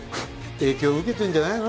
影響受けてんじゃないの？